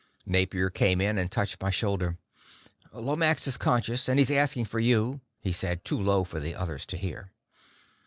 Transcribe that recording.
Napier came in and touched my shoulder. "Lomax is conscious, and he's asking for you," he said, too low for the others to hear.